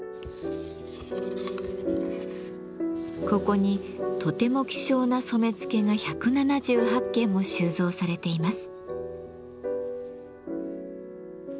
ここにとても希少な染付が１７８件も収蔵されています。